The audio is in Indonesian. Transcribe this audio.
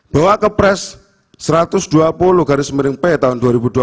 bahwa kepres satu ratus dua puluh garis miring p tahun dua ribu dua puluh satu